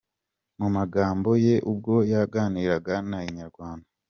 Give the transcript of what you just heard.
Mu magambo ye ubwo yaganiraga na Inyarwanda.